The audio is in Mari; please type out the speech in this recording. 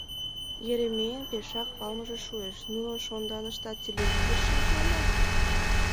Еремейын пешак палымыже шуэш: нунын шонданыштат телевизор шинча мо?